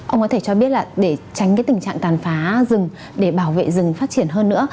ông có thể cho biết là để tránh cái tình trạng tàn phá rừng để bảo vệ rừng phát triển hơn nữa